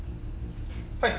はい。